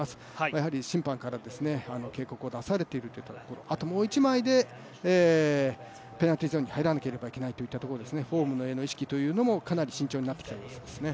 やはり審判から警告を出されているから、あともう一枚で、ペナルティーゾーンに入らなければならないというところでフォームへの意識というのもかなり慎重になってきた様子ですね。